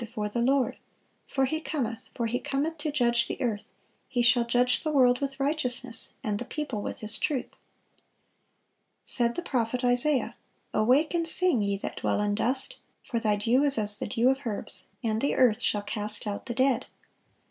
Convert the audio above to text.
before the Lord: for He cometh, for He cometh to judge the earth: He shall judge the world with righteousness, and the people with His truth."(453) Said the prophet Isaiah: "Awake and sing, ye that dwell in dust: for thy dew is as the dew of herbs, and the earth shall cast out the dead."